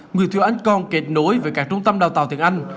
người thủ đoạn còn kết nối với các trung tâm đào tạo thường ăn